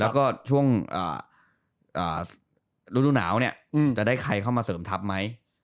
แล้วก็ช่วงฤดูหนาวเนี่ยจะได้ใครเข้ามาเสริมทัพไหม